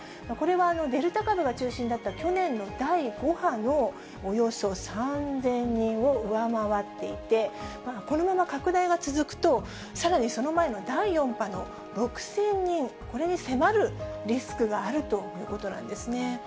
これはデルタ株が中心だった去年の第５波のおよそ３０００人を上回っていて、このまま拡大が続くと、さらにその前の第４波の６０００人、これに迫るリスクがあるということなんですね。